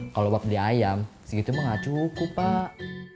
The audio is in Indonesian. kalau buat beli ayam segitu mah nggak cukup pak